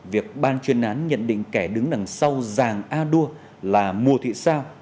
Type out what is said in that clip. việc ban chuyên án nhận định kẻ đứng đằng sau giàng a đua là mùa thị sao